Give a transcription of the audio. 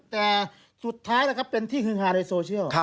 แต่สุดท้ายนะครับเป็นที่ฮือฮาในโซเชียล